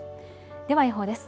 では予報です。